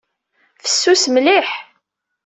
Fessus mliḥ.